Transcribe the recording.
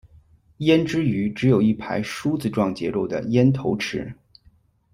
胭脂鱼只有一排梳子状结构的咽头齿。